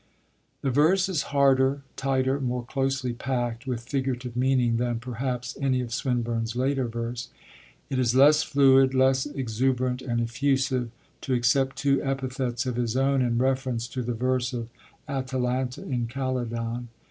The verse is harder, tighter, more closely packed with figurative meaning than perhaps any of Swinburne's later verse. It is less fluid, less 'exuberant and effusive' (to accept two epithets of his own in reference to the verse of Atalanta in Calydon).